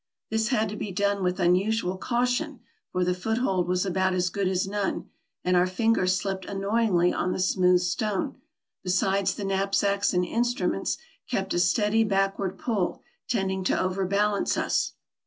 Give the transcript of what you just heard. This had to be done with unusual caution, for the foothold was about as good as none, and our fingers slipped annoyingly on the smooth stone; besides the knapsacks and instruments kept a steady backward pull, tending to overbalance us.